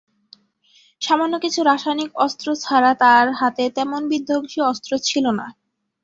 সামান্য কিছু রাসায়নিক অস্ত্র ছাড়া তার হাতে তেমন বিধ্বংসী অস্ত্র ছিল না।